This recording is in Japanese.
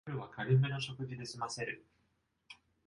夜は軽めの食事ですませる